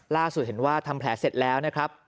ล่าสุดเห็นว่าทำแผลเสร็จแล้วนะครับ